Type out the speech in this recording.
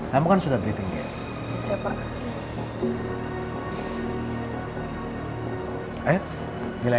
kamu kan sudah berhitung dia